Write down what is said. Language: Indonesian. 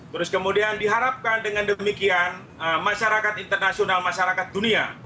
terus kemudian diharapkan dengan demikian masyarakat internasional masyarakat dunia